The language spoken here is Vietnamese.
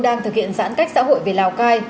đang thực hiện giãn cách xã hội về lào cai